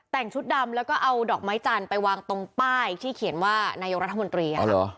แต่งชุดดำแล้วก็เอาดอกไม้จันทร์ไปวางตรงป้ายที่เขียนว่านายกรัฐมนตรี